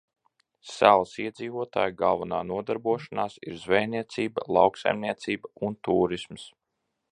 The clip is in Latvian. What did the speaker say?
Salas iedzīvotāju galvenā nodarbošanās ir zvejniecība, lauksaimniecība un tūrisms.